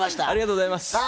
ありがとうございます。